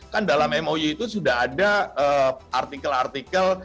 kan dalam mou itu sudah ada artikel artikel